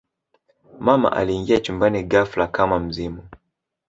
mama aliingia chumbani ghafla kama mzimu